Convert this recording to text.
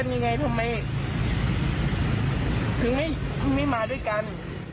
เนี่ยเมื่อคืนเพื่อนเขาไปตามหาอยู่ที่บ้าน